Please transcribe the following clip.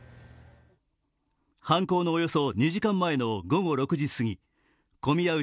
犯行のおよそ２時間前の午後６時過ぎ、混み合う